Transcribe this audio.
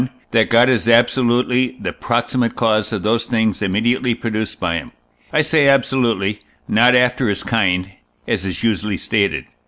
That God is absolutely the proximate cause of those things immediately produced by him. I say absolutely, not after his kind, as is usually stated.